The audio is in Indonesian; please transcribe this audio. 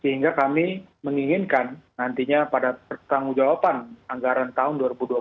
sehingga kami menginginkan nantinya pada pertanggung jawaban anggaran tahun dua ribu dua puluh